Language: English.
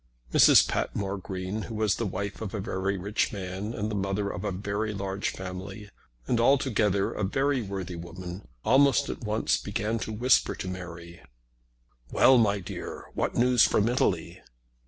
Mrs. Patmore Green, who was the wife of a very rich man, and the mother of a very large family, and altogether a very worthy woman, almost at once began to whisper to Mary "Well, my dear, what news from Italy?"